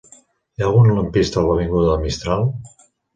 Hi ha algun lampista a l'avinguda de Mistral?